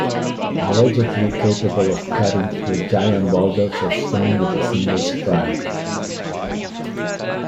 "Allegedly" capable of cutting through giant boulders of stone with a single strike.